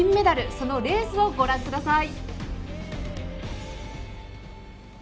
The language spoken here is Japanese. そのレースをご覧ください。